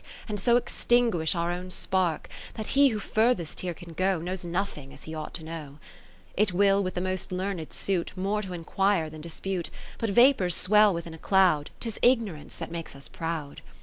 And so extinguish our own spark, That he who furthest here can go, Knows nothing as he ought to know. XXI It will with the most learned suit, 81 More to inquire than dispute : But vapours swell within a cloud ; 'Tis Ignorance that makes us proud.